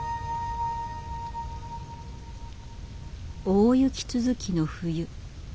大雪続きの冬。